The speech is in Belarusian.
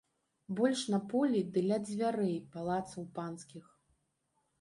Больш на полі ды ля дзвярэй палацаў панскіх.